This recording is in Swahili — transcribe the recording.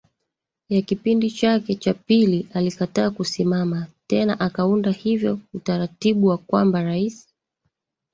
ya kipindi chake cha pili alikataa kusimama tena akaunda hivyo utaratibu wa kwamba rais